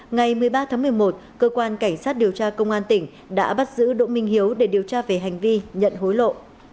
ngày một mươi ba tháng một mươi một cơ quan cảnh sát điều tra công an tỉnh đã bắt giữ đỗ minh hiếu để điều tra về hành vi nhận hối lộ